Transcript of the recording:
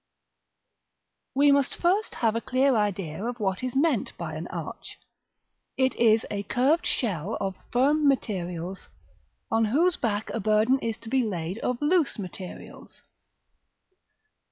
We must first have a clear idea of what is meant by an arch. It is a curved shell of firm materials, on whose back a burden is to be laid of loose materials.